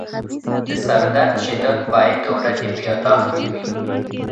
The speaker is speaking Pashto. د سردرد شدت باید د ورځې په یادښت کې وي.